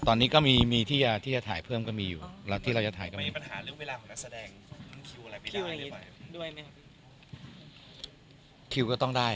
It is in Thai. ตอนนี้มีที่จะถ่ายเพิ่มแล้วหรือไม่